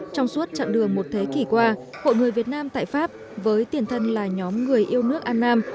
trong suốt chặng đường một thế kỷ qua hội người việt nam tại pháp với tiền thân là nhóm người yêu nước an nam